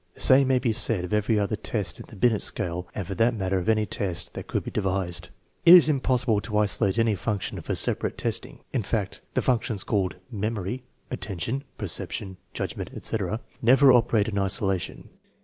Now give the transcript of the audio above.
The same may be said of every other test in the Binet scale and for that matter of any test that could be devised. It is impossible to isolate any function for separate testing. In fact, the functions called memory, attention, perception, judgment, etc., never operate in isolation.